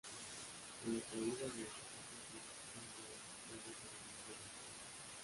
Con la caída del fascismo, fue rebautizado con el nombre de Italia.